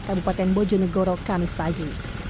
kebupaten bojonegoro kamis pagi